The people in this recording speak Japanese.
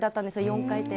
４回転。